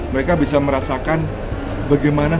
mereka bisa merasakan bagaimana